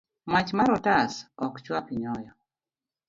Mach mar otas ok chwak nyoyo.